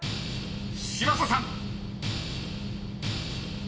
［嶋佐さん］